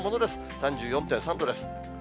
３４．３度です。